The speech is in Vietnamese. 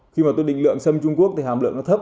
khi mà tôi định lượng xâm trung quốc thì hàm lượng nó thấp